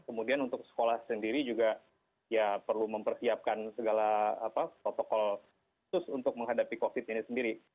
kemudian untuk sekolah sendiri juga ya perlu mempersiapkan segala protokol khusus untuk menghadapi covid ini sendiri